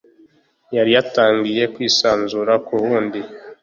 yari yatangiye kwisanzura kuwundi.